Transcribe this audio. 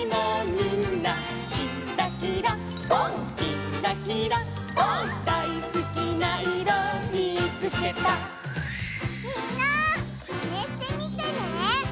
みんなまねしてみてね！